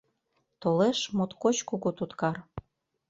Толеш моткоч кугу туткар.